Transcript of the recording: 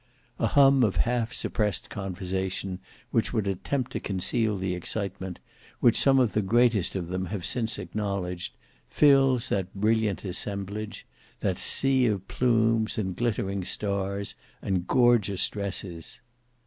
A hum of half suppressed conversation which would attempt to conceal the excitement, which some of the greatest of them have since acknowledged, fills that brilliant assemblage; that sea of plumes, and glittering stars, and gorgeous dresses.